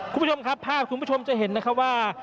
คุณผู้ชมครับภาพคุณผู้ชมจะเห็นนะครับว่า